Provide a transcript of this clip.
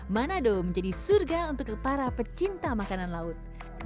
mana dong menjadi surga untuk para pecinta makanan laut